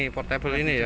ini portable ini ya